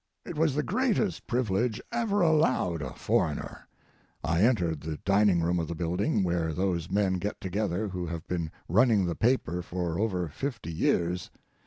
It was the greatest privilege ever allowed a foreigner. I entered the dining room of the building, where those men get together who have been running the paper for over fifty years.